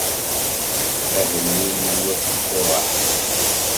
Ahellil n wat Quraḥ.